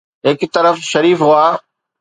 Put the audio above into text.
هڪ طرف شريف هئا.